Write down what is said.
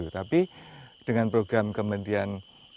tapi dengan program kementerian